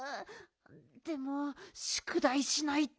でもしゅくだいしないと。